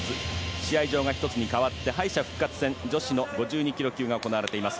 試合場が１つに変わって敗者復活戦は女子の５２ｋｇ級が行われています。